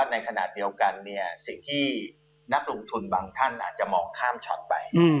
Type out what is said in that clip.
ในขณะเดียวกันสิ่งที่นักลงทุนบางท่านอาจจะมองข้ามช็อตไป